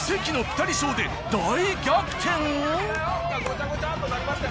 何かごちゃごちゃっとなりました。